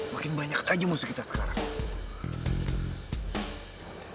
makin banyak aja musuh kita sekarang